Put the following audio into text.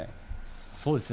そうですね。